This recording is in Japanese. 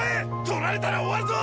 取られたら終わるぞ！